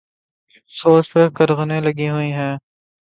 سوچ پہ قدغنیں لگی ہوئی ہیں۔